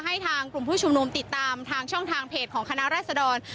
ให้ทางกลุ่มผู้ชุมนุมติดตามทางช่องทางเพจของคณะรัศดร